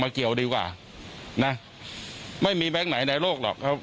มาเกี่ยวดีกว่านะไม่มีแบนกไหนในโลกหรอก